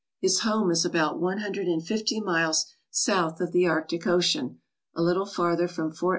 His home is about one hundred and fifty miles south of the Arctic Ocean, a little farther from Ft.